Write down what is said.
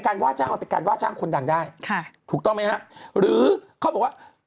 การว่าจ้างเอาเป็นการว่าจ้างคนดังได้ถูกต้องไหมครับหรือเขาบอกว่า